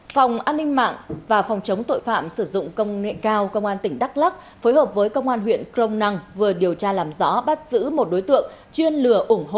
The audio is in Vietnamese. phòng an ninh mạng và phòng chống tội phạm sử dụng công nghệ cao công an tỉnh đắk lắc phối hợp với công an huyện crong năng vừa điều tra làm rõ bắt giữ một đối tượng chuyên lừa